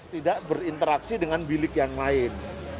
tidak berinteraksi dengan bilik yang lain